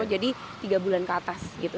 jadi tiga bulan ke atas gitu